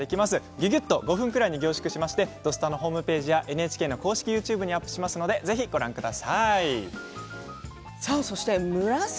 ぎゅぎゅっと５分くらいに凝縮して「土スタ」ホームページやＮＨＫ公式ＹｏｕＴｕｂｅにアップしますのでぜひご覧ください。